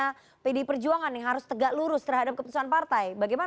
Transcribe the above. bpd perjuangan yang harus tegak lurus terhadap keputusuan partai